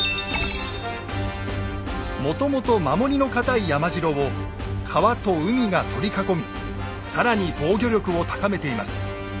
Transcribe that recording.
もともと守りの堅い山城を川と海が取り囲み更に防御力を高めています。